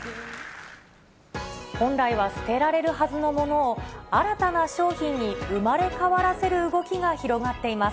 本来は捨てられるはずのものを、新たな商品に生まれ変わらせる動きが広がっています。